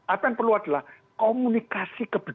apa yang perlu adalah komunikasi kebijakan